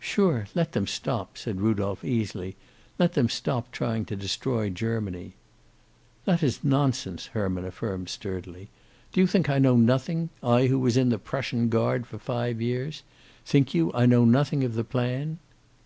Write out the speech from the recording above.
"Sure, let them stop!" said Rudolph, easily. "Let them stop trying to destroy Germany." "That is nonsense," Herman affirmed, sturdily. "Do you think I know nothing? I, who was in the Prussian Guard for five years. Think you I know nothing of the plan?"